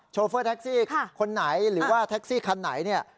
โฟเฟอร์แท็กซี่คนไหนหรือว่าแท็กซี่คันไหนเนี่ย